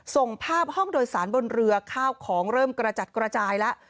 ส่งภาพห้องโดยสารบนเรือข้าวของเริ่มกระจัดกระจายแล้ว